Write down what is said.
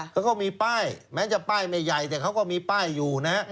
เขาก็มีป้ายแม้จะป้ายไม่ใหญ่แต่เขาก็มีป้ายอยู่นะฮะ